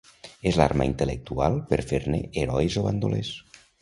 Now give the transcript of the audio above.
Es l'arma intel·lectual per fer-ne herois o bandolers